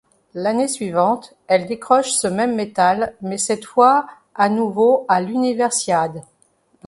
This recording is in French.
L'année suivante, elle décroche ce même métal mais cette fois à nouveaux à l'Universiade.